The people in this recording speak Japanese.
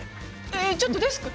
えっちょっとデスク！